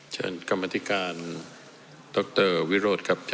เชิญกรรมธิการดรวิโรธครับ